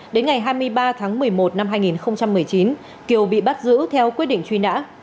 đến ngày hai mươi ba tháng một mươi một năm hai nghìn một mươi chín kiều bị bắt giữ theo quyết định truy nã